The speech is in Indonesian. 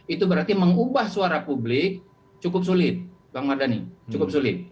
itu berarti mengubah suara publik cukup sulit bang mardhani cukup sulit